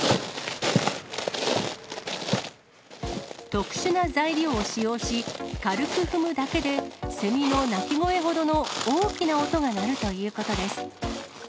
特殊な材料を使用し、軽く踏むだけで、セミの鳴き声ほどの大きな音が鳴るということです。